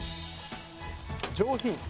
上品！